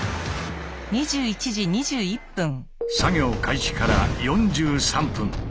作業開始から４３分。